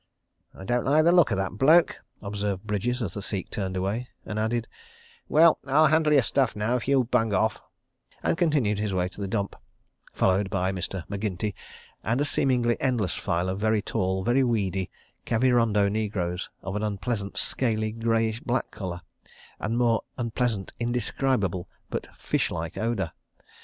"I don't like the look of that bloke," observed Bridges, as the Sikh turned away, and added: "Well—I'll handle your stuff now, if you'll bung off," and continued his way to the dump, followed by Mr. MacGinty and a seemingly endless file of very tall, very weedy, Kavirondo negroes, of an unpleasant, scaly, greyish black colour and more unpleasant, indescribable, but fishlike odour.